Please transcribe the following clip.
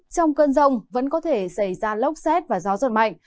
trong cơn rông vẫn có thể xảy ra lốc xét và gió giật mạnh